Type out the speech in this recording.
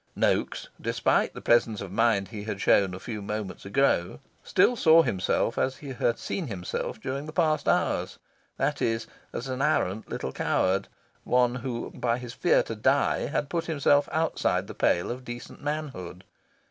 Noaks, despite the presence of mind he had shown a few moments ago, still saw himself as he had seen himself during the past hours: that is, as an arrant little coward one who by his fear to die had put himself outside the pale of decent manhood.